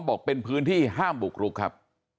บอกเป็นพื้นที่ห้ามบุกรุกครับ